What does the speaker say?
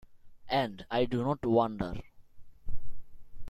And I do not wonder.